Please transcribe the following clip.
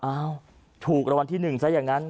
อ้าวถูกรวรรณที่๑ใช่อย่างนั้น